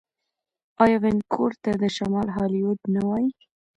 آیا وینکوور ته د شمال هالیوډ نه وايي؟